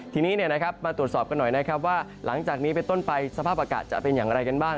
ทีนี้มาตรวจสอบกันหน่อยนะครับว่าหลังจากนี้เป็นต้นไปสภาพอากาศจะเป็นอย่างไรกันบ้าง